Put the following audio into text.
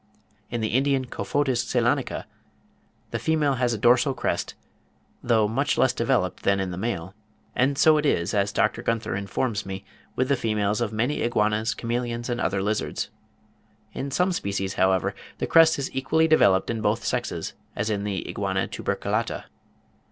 In the Indian Cophotis ceylanica, the female has a dorsal crest, though much less developed than in the male; and so it is, as Dr. Gunther informs me, with the females of many Iguanas, Chameleons, and other lizards. In some species, however, the crest is equally developed in both sexes, as in the Iguana tuberculata.